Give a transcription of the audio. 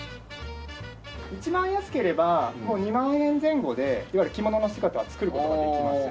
一番安ければもう２万円前後でいわゆる着物の姿は作る事ができます。